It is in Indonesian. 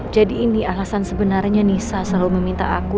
jadi ini alasan sebenarnya nisa selalu meminta aku